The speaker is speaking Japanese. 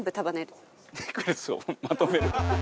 ネックレスをまとめる？